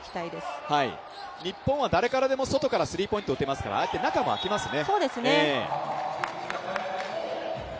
日本は誰からも外からスリーポイントを打てますから、中があきますね。